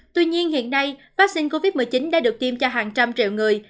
tuy nhiên hiện nay vaccine covid một mươi chín đã được tiêm cho hàng trăm triệu người